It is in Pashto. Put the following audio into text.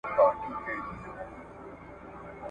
موږ د نړۍ اړتیا پوره کوو..